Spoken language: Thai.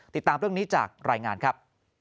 ติดตามเรื่องนี้จากรายงานครับ